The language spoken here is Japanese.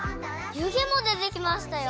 ゆげもでてきましたよ！